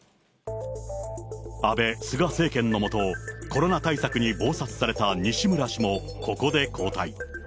安倍・菅政権の下、コロナ対策に忙殺された西村氏もここで交代。